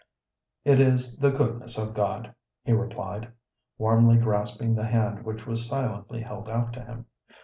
"It is the goodness of God," he replied, warmly grasping the hand which was silently held out to him.